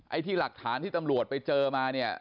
ไอ้ที่หลักฐานที่ตำรวจไปเจอมาเนี่ย